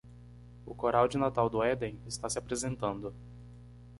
O Coral de Natal do Éden está se apresentando.